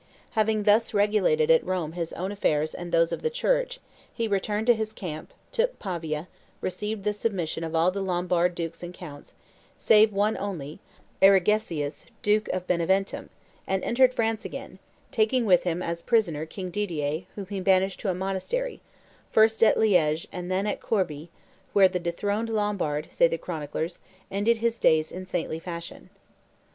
Having thus regulated at Rome his own affairs and those of the Church, he returned to his camp, took Pavia, received the submission of all the Lombard dukes and counts, save one only, Aregisius, duke of Beneventum, and entered France again, taking with him as prisoner King Didier, whom he banished to a monastery, first at Liege and then at Corbie, where the dethroned Lombard, say the chroniclers, ended his days in saintly fashion.